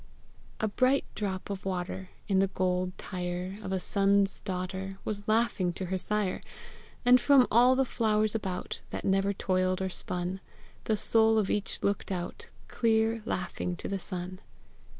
A bright drop of water In the gold tire Of a sun's daughter Was laughing to her sire; And from all the flowers about, That never toiled or spun, The soul of each looked out, Clear laughing to the sun.